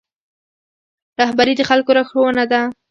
رهبري د خلکو لارښوونه ده